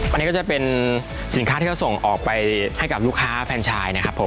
อันนี้ก็จะเป็นสินค้าที่เขาส่งออกไปให้กับลูกค้าแฟนชายนะครับผม